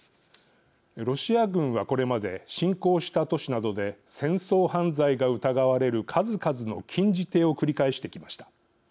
ロシア軍は、これまで侵攻した都市などで戦争犯罪が疑われる数々の禁じ手を繰り返してきました。